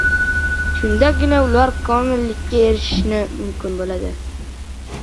Shundagina ular komillikka erishishi mumkin bo‘ladi.